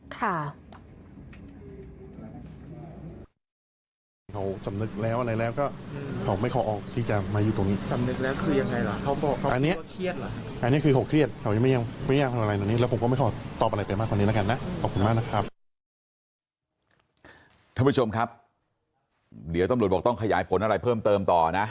ท่านผู้ชมครับเดี๋ยวตำรวจบอกต้องขยายผลอะไรเพิ่มเติมต่อนะ